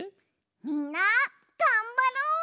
みんながんばろう！